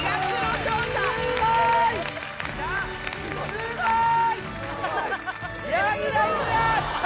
すごい！